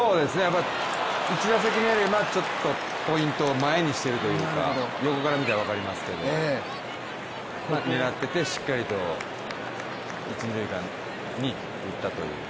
１打席目よりはちょっとポイントを前にしているというか、横から見たら分かりますけど、狙ってて、しっかりと一・二塁間に打ったという。